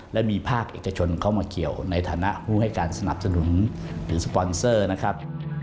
และมีภาคเอกชนเข้ามาเกี่ยวในฐานะผู้ให้การสนับสนุนหรือสปอนเซอร์นะครับ